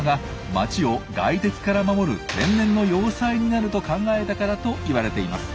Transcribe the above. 街を外敵から守る天然の要塞になると考えたからといわれています。